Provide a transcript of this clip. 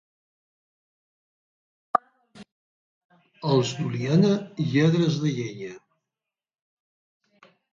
Els d'Oliana, lladres de llenya.